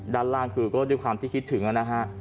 ด้านล่างคือก็ด้วยความที่คิดถึงนะฮะ